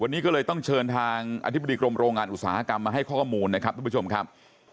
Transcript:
วันนี้ก็เลยต้องเชิญทางอธิบดีกรมโรงงานอุตสาหกรรมมาให้ข้อมูลนะครับทุกผู้ชมครับ